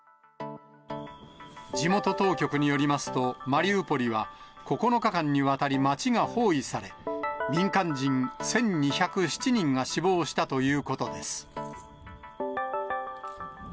地元当局によりますと、マリウポリは９日間にわたり町が包囲され、民間人１２０７人が死亡したということです。